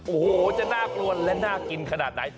โอ้โหจะน่ากลัวและน่ากินขนาดไหน